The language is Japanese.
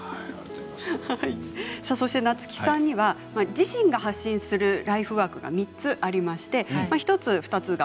わりと年下が夏木さんには自身が発信するライフワークが３つあります。